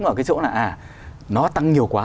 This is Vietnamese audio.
ở cái chỗ là à nó tăng nhiều quá